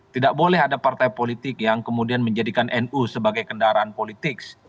tidak boleh ada partai politik yang kemudian menjadikan nu sebagai kendaraan politik